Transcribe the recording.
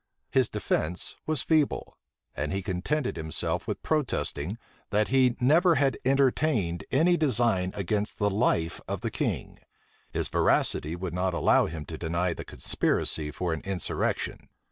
His defence was feeble: and he contented himself with protesting, that he never had entertained any design against the life of the king: his veracity would not allow him to deny the conspiracy for an insurrection.